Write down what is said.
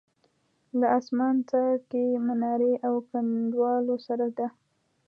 له اسمانڅکې منارې او کنډوالو سره ده.